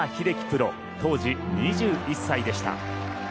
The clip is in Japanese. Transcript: プロ当時２１歳でした。